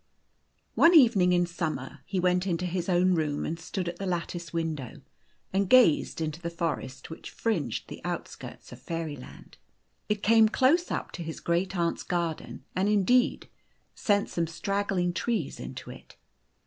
One evening, in summer, he went into his own room, and stood at the lattice window, and gazed into the forest which fringed the outskirts of Fairyland. It i 74 The Golden Key came dose up to his great aunt's garden, and, indeed, sent some straggling trees into it.